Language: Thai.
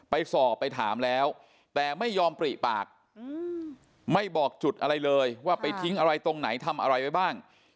ไปสอบไปถามแล้วแต่ไม่ยอมปริปากไม่บอกจุดอะไรเลยว่าไปทิ้งอะไรตรงไหนทำอะไรไว้บ้าง